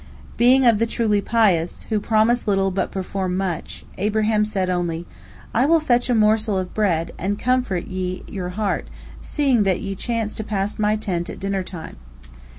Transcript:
Being of the truly pious, "who promise little, but perform much," Abraham said only: "I will fetch a morsel of bread, and comfort ye your heart, seeing that ye chanced to pass my tent at dinner time.